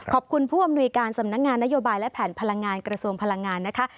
ผู้อำนวยการสำนักงานนโยบายและแผนพลังงานกระทรวงพลังงานนะคะ